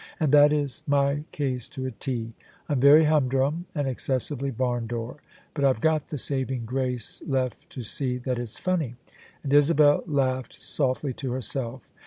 And that is my case to a T. I'm very humdrum and excessively barn door: but IVe got the saving grace left to see that it's fimny." And Isabel laughed softly to herself.